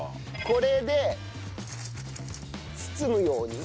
これで包むように。